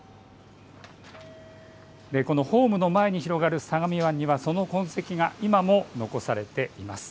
ホームの前に広がる相模湾にはその痕跡が今も残されています。